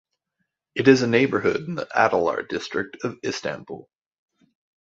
It is a neighbourhood in the Adalar district of Istanbul.